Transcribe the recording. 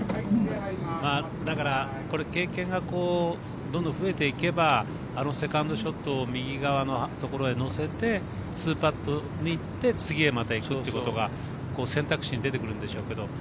だから、これ経験がどんどん増えていけばあのセカンドショットを右側のところへ乗せて２パットに行って次にまた行くということが選択肢に出てくるんでしょうけど。